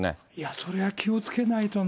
それは気をつけないとね。